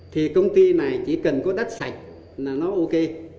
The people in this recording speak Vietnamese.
thì công ty này chỉ cần có đất sạch là nó ok